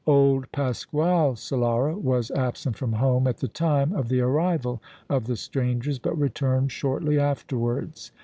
Old Pasquale Solara was absent from home at the time of the arrival of the strangers, but returned shortly afterwards.